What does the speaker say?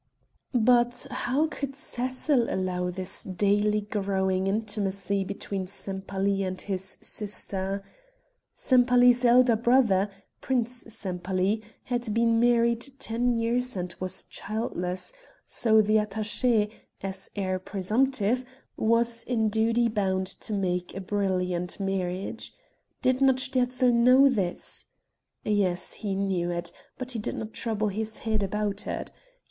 But how could Cecil allow this daily growing intimacy between Sempaly and his sister? Sempaly's elder brother, Prince Sempaly, had been married ten years and was childless, so the attaché, as heir presumptive, was in duty bound to make a brilliant marriage. Did not Sterzl know this? Yes, he knew it, but he did not trouble his head about it.